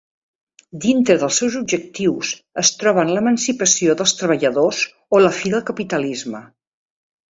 Dintre dels seus objectius es troben l'emancipació dels treballadors o la fi del capitalisme.